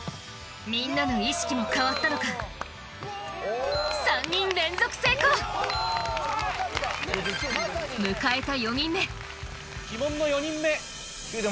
みんなの意識も変わったのか３人連続成功迎えた４人目鬼門の４人目。